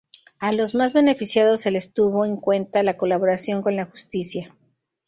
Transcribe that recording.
A los más beneficiados se les tuvo en cuenta la colaboración con la justicia.